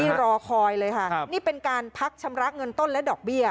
นี่รอคอยเลยค่ะนี่เป็นการพักชำระเงินต้นและดอกเบี้ย